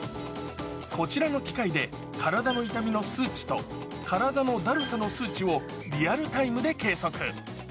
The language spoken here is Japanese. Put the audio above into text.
こちらの機械で、体の痛みの数値と、体のだるさの数値をリアルタイムで計測。